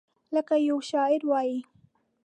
لکه یو شاعر وایي: